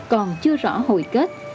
còn chưa rõ hồi kết